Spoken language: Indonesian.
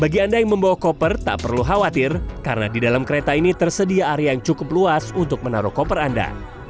bagi anda yang membawa koper tak perlu khawatir karena di dalam kereta ini tersedia area yang cukup luas untuk menaruh koper anda